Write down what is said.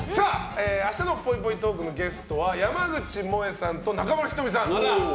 明日のぽいぽいトークのゲストは山口もえさんと中村仁美さん。